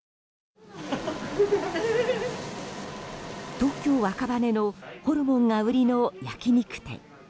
東京・赤羽のホルモンが売りの焼き肉店。